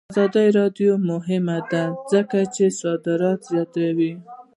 آزاد تجارت مهم دی ځکه چې صادرات زیاتوي.